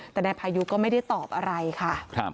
แต่นายพายุก็ไม่ได้ตอบอะไรค่ะ